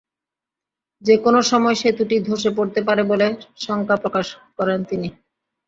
যেকোনো সময় সেতুটি ধসে পড়তে পারে বলে শঙ্কা প্রকাশ করেন তিনি।